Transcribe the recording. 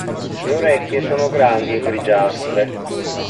Le orecchie sono grandi e grigiastre.